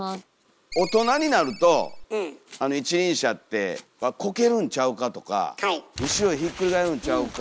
大人になると一輪車って「コケるんちゃうか」とか「後ろへひっくり返るんちゃうか」